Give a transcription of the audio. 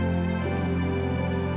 kenapa kamu tidur di sini sayang